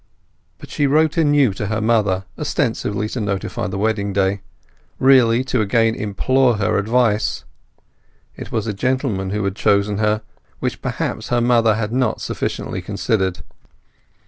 But she wrote anew to her mother, ostensibly to notify the wedding day; really to again implore her advice. It was a gentleman who had chosen her, which perhaps her mother had not sufficiently considered.